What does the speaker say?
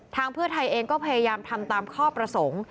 เพื่อไทยเองก็พยายามทำตามข้อประสงค์